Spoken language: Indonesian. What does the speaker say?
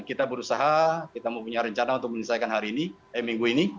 kita berusaha kita mempunyai rencana untuk menyelesaikan hari ini eh minggu ini